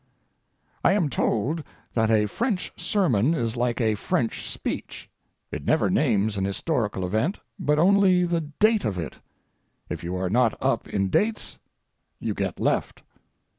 I am told that a French sermon is like a French speech—it never names an historical event, but only the date of it; if you are not up in dates, you get left.